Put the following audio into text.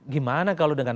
gimana kalau dengan